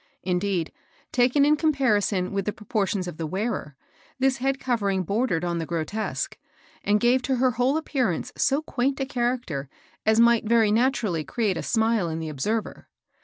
Indeed, taken in comparison with the proportions of the wearer, this head covering bordered on the grotesque, and gave to her whole appearance so quaint a charac ter as might very naturally create a smile in the observer.